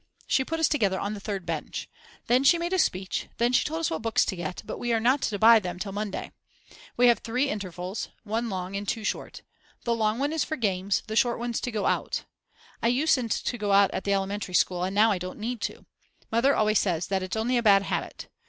She put us together on the 3rd bench. Then she made a speech, then she told us what books to get, but we are not to buy them till Monday. We have 3 intervals, one long and 2 short. The long one is for games, the short ones to go out. I usen't to go out at the elementary school and now I don't need to. Mother always says that it's only a bad habit.